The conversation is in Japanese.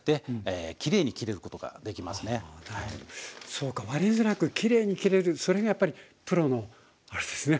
そうか割れづらくきれいに切れるそれがやっぱりプロのあれですね